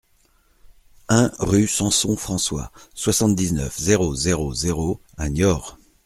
un rue Samson François, soixante-dix-neuf, zéro zéro zéro à Niort